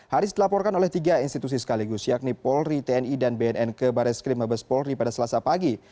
haris dilaporkan oleh tiga institusi sekaligus yakni polri tni dan bnn ke baris krim mabes polri pada selasa pagi